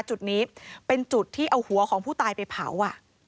จุดนี้เป็นจุดที่เอาหัวของผู้ตายไปเผา